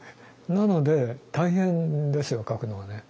なので大変ですよ書くのはね。